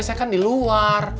saya kan di luar